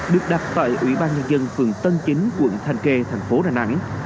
được đặt tại ủy ban nhân dân phường tân chính quận thanh khê thành phố đà nẵng